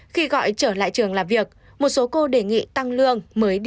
khi gọi trở lại trường làm việc một số cô đề nghị tăng lương mới